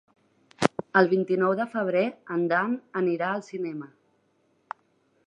El vint-i-nou de febrer en Dan anirà al cinema.